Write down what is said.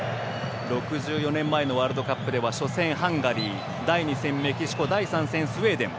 ６４年前のワールドカップでは初戦、ハンガリー第２戦、メキシコ第３戦、スウェーデン。